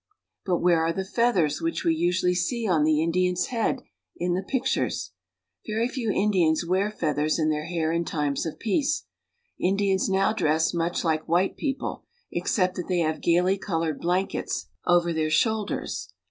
But where are the feath ers which we usually see on the Indian's head in the pictures? Very few In dians wear feathers in their hair in times of peace. In dians now dress much like white people, except that they have gaily colored blankets over their shoul ders.